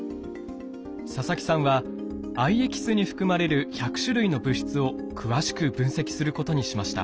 佐々木さんは藍エキスに含まれる１００種類の物質を詳しく分析することにしました。